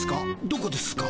どこですか？